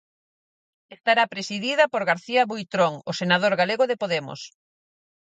Estará presidida por García Buitrón, o senador galego de Podemos.